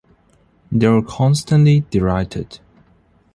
They are constantly derided.